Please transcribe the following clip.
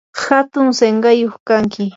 hatun sinqayuq kanki.